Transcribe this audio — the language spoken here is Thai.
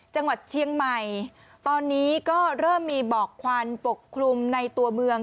จังหวัดเชียงใหม่ตอนนี้ก็เริ่มมีหมอกควันปกคลุมในตัวเมือง